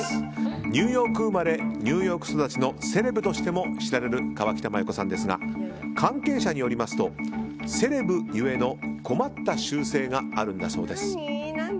ニューヨーク生まれニューヨーク育ちのセレブとしても知られる河北麻友子さんですが関係者によりますとセレブゆえの困った習性があるんだそうです。